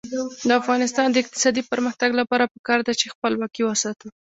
د افغانستان د اقتصادي پرمختګ لپاره پکار ده چې خپلواکي وساتو.